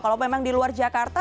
kalau memang di luar jakarta